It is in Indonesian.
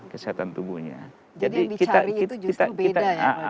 jadi yang dicari itu justru beda ya